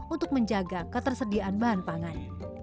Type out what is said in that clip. untuk menjaga ketersediaan bahan pangan